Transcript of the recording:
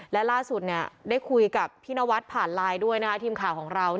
และล่าสุดได้คุยกับพี่นวัดผ่านไลน์ด้วยนะคะทีมข่าวของเรา